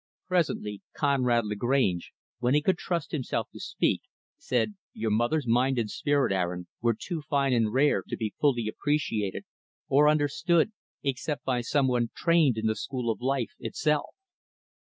Presently, Conrad Lagrange, when he could trust himself to speak, said, "Your mother's mind and spirit, Aaron, were too fine and rare to be fully appreciated or understood except by one trained in the school of life, itself.